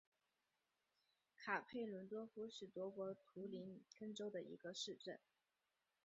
卡佩伦多夫是德国图林根州的一个市镇。